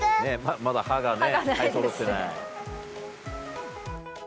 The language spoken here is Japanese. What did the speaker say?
まだ歯がね生えそろってない。